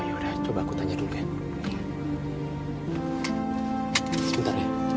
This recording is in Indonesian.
yaudah coba aku tanya dulu ya